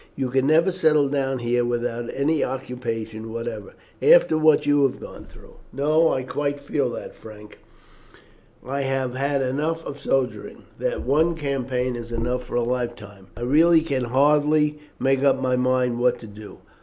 "You can never settle down here without any occupation whatever, after what you have gone through." "No, I quite feel that, Frank. I have had enough of soldiering; that one campaign is enough for a life time. I really can hardly make up my mind what to do.